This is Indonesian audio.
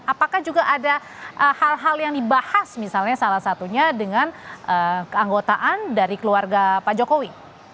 apakah juga ada hal hal yang dibahas misalnya salah satunya dengan keanggotaan dari keluarga pak jokowi